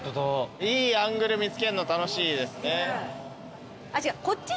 いいアングル見つけるの楽しいですね。